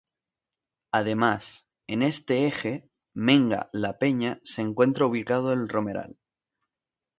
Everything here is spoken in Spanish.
Además, en este eje Menga-La Peña se encuentra ubicado El Romeral.